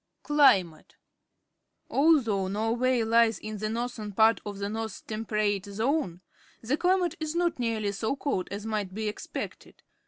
Climate. — Although Norway lies in the northern part of the North Temperate Zone, the chmate is not nearly so cold as might be expected.